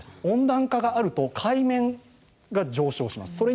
温暖化があると海面が上昇します。